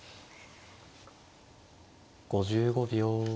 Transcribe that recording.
５５秒。